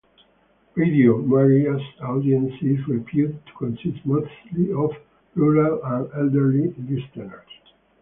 Radio Maryja's audience is reputed to consist mostly of rural and elderly listeners.